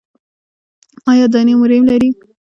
ایا دانې مو ریم لري؟